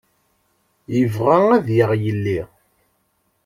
Yebɣa ad yaɣ yelli.